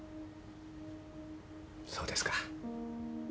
そうですか。